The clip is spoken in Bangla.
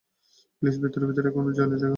প্লিজ ভেতরে ভেতরে এখনো জনি থেকো।